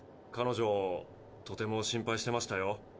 彼女とても心配してましたよ。